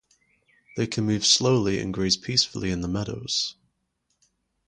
They can move slowly and graze peacefully in the meadows.